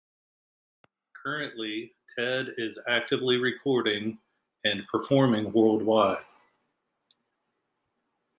Currently, Ted is actively recording and performing world wide.